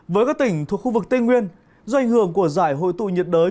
với các tỉnh thuộc khu vực tây nguyên do ảnh hưởng của giải hội tụ nhiệt đới